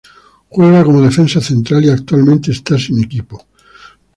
Juega como defensa central y actualmente está sin equipo.